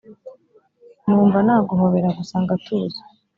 numva naguhobera gusa ngatuza